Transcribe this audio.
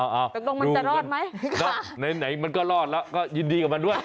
เอาดูกันค่ะในไหนมันก็รอดแล้วก็ยินดีกับมันด้วย